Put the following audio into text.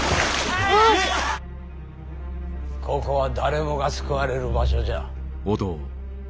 ここは誰もが救われる場所じゃ。